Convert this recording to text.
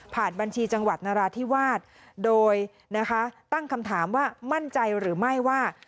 บัญชีจังหวัดนราธิวาสโดยนะคะตั้งคำถามว่ามั่นใจหรือไม่ว่า